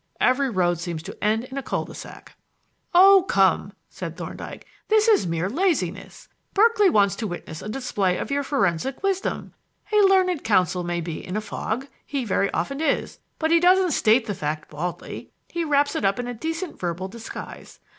Every road seems to end in a cul de sac." "Oh, come!" said Thorndyke, "this is mere laziness. Berkeley wants to witness a display of your forensic wisdom. A learned counsel may be in a fog he very often is but he doesn't state the fact baldly; he wraps it up in a decent verbal disguise.